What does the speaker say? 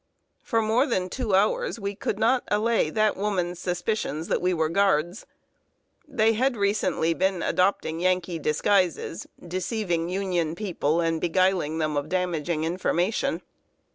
For more than two hours we could not allay the woman's suspicions that we were Guards. They had recently been adopting Yankee disguises, deceiving Union people, and beguiling them of damaging information.